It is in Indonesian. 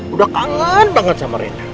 udah kangen banget sama rina